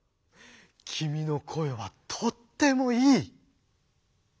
きみのこえはとってもいい」。